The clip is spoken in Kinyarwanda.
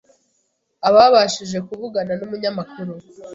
Ababashije kuvugana n’umunyamakuru,